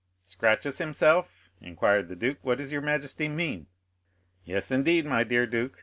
"Scratches himself?" inquired the duke, "what does your majesty mean?" "Yes, indeed, my dear duke.